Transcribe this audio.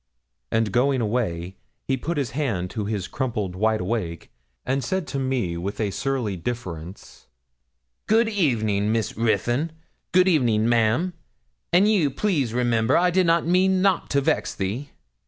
And going away he put his hand to his crumpled wide awake, and said to me with a surly difference 'Good evening, Miss Ruthyn good evening, ma'am and ye'll please remember, I did not mean nout to vex thee.'